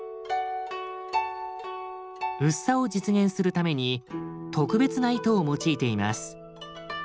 薄さを実現するために特別な糸を用いています。